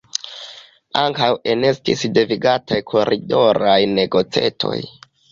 Ankaŭ enestis devigaj koridoraj negocetoj.